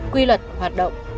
quy luật hoạt động